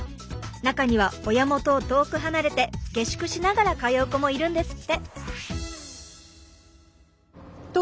中には親元を遠く離れて下宿しながら通う子もいるんですって。